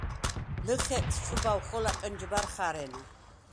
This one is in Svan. ლჷხეკს ჩუბავ ხოლა კჷნჯბა̈რ ხა̈რენა.